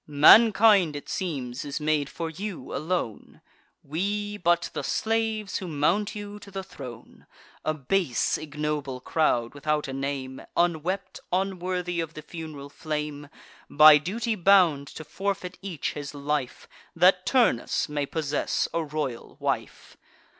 Mankind, it seems, is made for you alone; We, but the slaves who mount you to the throne: A base ignoble crowd, without a name, Unwept, unworthy, of the fun'ral flame, By duty bound to forfeit each his life, That Turnus may possess a royal wife.